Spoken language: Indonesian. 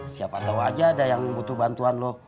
siapa tau aja ada yang butuh bantuan lo